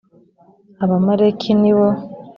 abamaleki nibo.